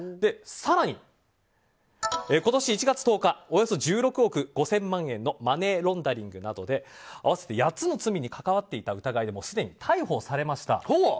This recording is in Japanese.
更に今年１月１０日およそ１６億５０００万円のマネーロンダリングなどで合わせて８つの罪に関わっていた疑いですでに逮捕されました。